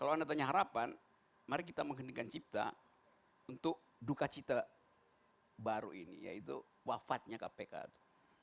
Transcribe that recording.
kalau anda tanya harapan mari kita menghendingkan cipta untuk duka cita baru ini yaitu wafatnya kpk itu